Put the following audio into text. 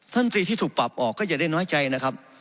ตรีที่ถูกปรับออกก็อย่าได้น้อยใจนะครับ